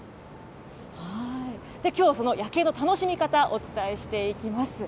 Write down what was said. きょう、その夜景の楽しみ方、お伝えしていきます。